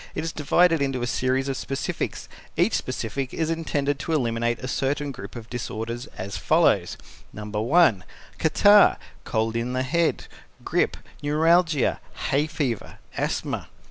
It is divided into a series of specifics. Each specific is intended to eliminate a certain group of disorders as follows: No. 1. Catarrh, cold in the head, grip, neuralgia, hay fever, asthma.